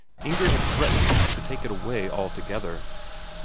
Inger had threatened to take it away altogether.